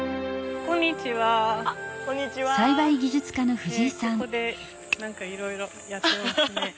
ここで何かいろいろやってますね。